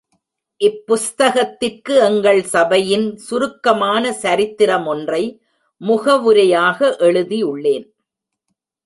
இப் புஸ்தகத்திற்கு எங்கள் சபையின் சுருக்கமான சரித்திர மொன்றை முகவுரையாக எழுதியுள்ளேன்.